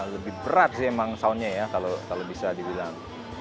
lebih berat sih emang soundnya ya kalau bisa dibilang